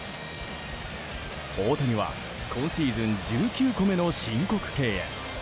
大谷は、今シーズン１９個目の申告敬遠。